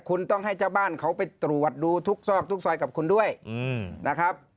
คุณต้องให้เจ้าบ้านเขาไปตรวจดูทุกซอกทุกซอยกับคุณด้วยนะครับ